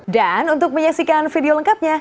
dan untuk menyaksikan video lengkapnya